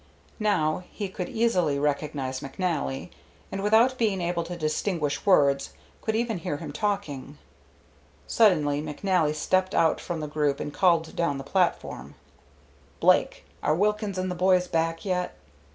Now he could easily recognize McNally, and without being able to distinguish words could even hear him talking. Suddenly McNally stepped out from the group and called down the platform, "Blake, are Wilkins and the boys back yet?"